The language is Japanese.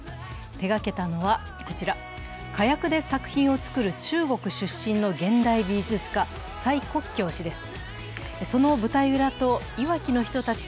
手がけたのは、こちらで火薬で作品を作る、中国出身の現代美術家、蔡國強氏です。